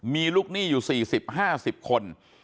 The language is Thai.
มีลูกหนี้อยู่๔๐๕๐คน